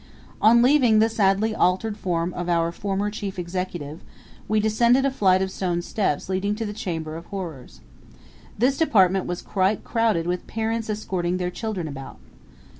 On leaving the sadly altered form of our former Chief Executive we descended a flight of stone steps leading to the Chamber of Horrors. This department was quite crowded with parents escorting their children about.